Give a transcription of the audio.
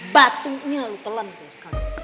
batunya lo telan terus